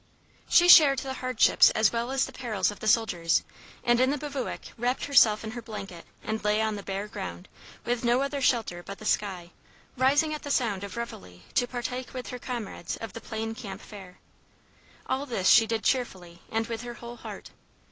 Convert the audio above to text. She shared the hardships as well as the perils of the soldiers, and in the bivouac wrapped herself in her blanket and lay on the bare ground, with no other shelter but the sky, rising at the sound of reveille to partake with her comrades of the plain camp fare. All this she did cheerfully and with her whole heart.